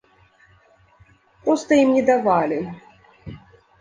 Проста ім не давалі.